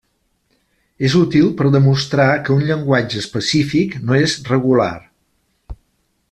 És útil per demostrar que un llenguatge específic no és regular.